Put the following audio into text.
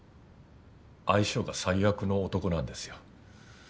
相性が最悪の男なんですよ。